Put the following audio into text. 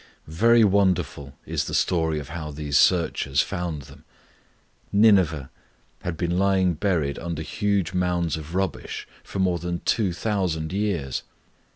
Very wonderful is the story of how these searchers found them. Nineveh had been lying buried under huge mounds of rubbish for more than two thousand years.